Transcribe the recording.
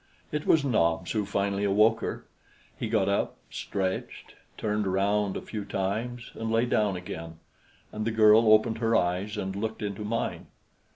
It was Nobs who finally awoke her. He got up, stretched, turned around a few times and lay down again, and the girl opened her eyes and looked into mine.